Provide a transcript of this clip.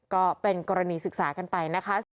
ก็เป็นกรณีศึกษากันไปนะคะ